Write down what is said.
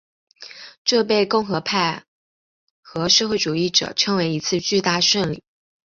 这被共和派和社会主义者称为一次巨大胜利。